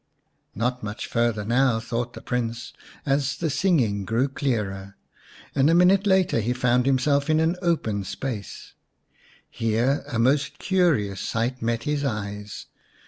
" Not much farther now/' thought the Prince, as the singing grew clearer, and a minute later he found himself in an open space. Here a most curious sight met his eyes.